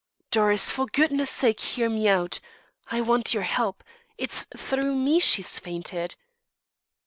"Doris, for goodness' sake hear me out; I want your help. It's through me she's fainted."